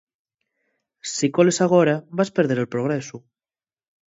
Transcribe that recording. Si coles agora, vas perder el progresu.